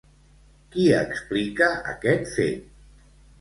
Qui explica aquest fet?